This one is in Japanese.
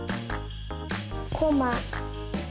こま。